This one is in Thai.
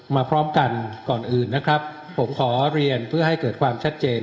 พร้อมกันก่อนอื่นนะครับผมขอเรียนเพื่อให้เกิดความชัดเจน